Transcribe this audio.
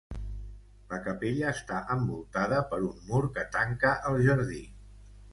La capella està envoltada per un mur que tanca el jardí.